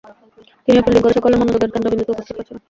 তিনিও ফিল্ডিং করে সকলের মনোযোগের কেন্দ্রবিন্দুতে উপনীত হয়েছিলেন।